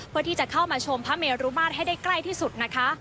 เพื่อที่จะเข้ามาชมพระเมรุมาตรให้ได้ใกล้ที่สุดนะคะ